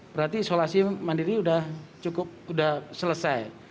berarti isolasi mandiri sudah selesai